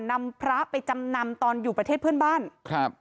นำพระไปจำนำตอนอยู่ประเทศเพื่อนบ้านครับ